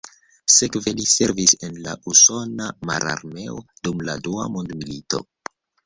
Sekve li servis en la usona mararmeo dum la Dua Mondmilito.